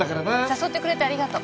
誘ってくれてありがと。